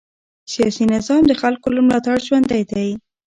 سیاسي نظام د خلکو له ملاتړ ژوندی دی